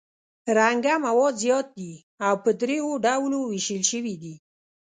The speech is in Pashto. رنګه مواد زیات دي او په دریو ډولو ویشل شوي دي.